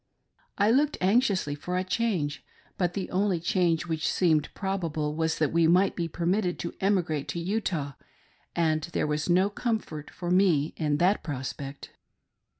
I looked anxiously for a change, but the only change which seemed probable was that we might be permitted to emigrate to Utah, and there was no comfort for me in that prospect.